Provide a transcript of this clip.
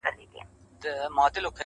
نه به ډزي وي- نه لاس د چا په وینو-